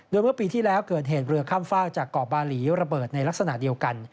โดยเมื่อปีที่แล้วเกิดเหตุเรือข้ามฟากจากเกาะบาหลีระเบิดในลักษณะเดียวกัน